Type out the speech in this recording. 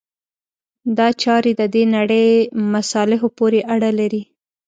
دا چارې د دې نړۍ مصالحو پورې اړه لري.